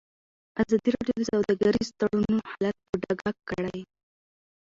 ازادي راډیو د سوداګریز تړونونه حالت په ډاګه کړی.